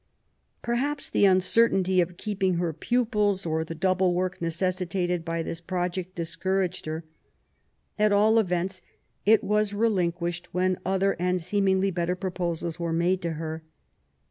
Perhaps the uncertainty of keeping her pupils^ or the double work necessitated by this project^ discouraged her. At all events, it was relinquished when other and seemingly better proposals were made to her.